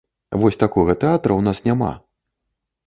Вось такога тэатра ў нас няма!